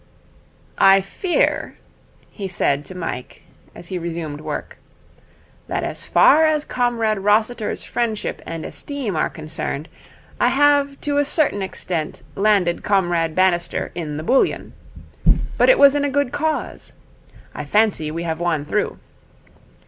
'I fear,' he said to Mike, as he resumed work, 'that as far as Comrade Rossiter's friendship and esteem are concerned, I have to a certain extent landed Comrade Bannister in the bouillon; but it was in a good cause. I fancy we have won through.